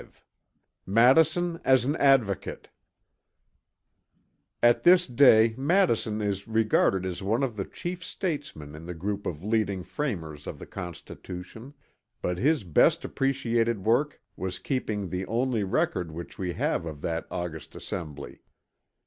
CHAPTER V MADISON AS AN ADVOCATE At this day Madison is regarded as one of the chief statesmen in the group of leading framers of the Constitution; but his best appreciated work was his keeping the only record which we have of that august assembly.